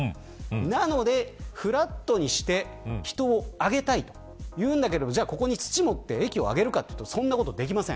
なので、フラットにして人を上げたいというんだけれどもじゃあ、ここに土を盛って上げるかというとそんなことはできません。